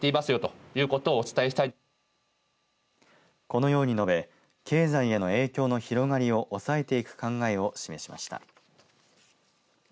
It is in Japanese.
このように述べ経済への影響の広がりを抑えていく考えを示しました。